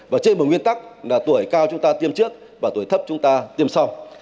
và trên một nguyên tắc là tuổi cao chúng ta tiêm trước và tuổi thấp chúng ta tiêm sau